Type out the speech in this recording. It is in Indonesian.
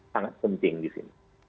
sangat penting disini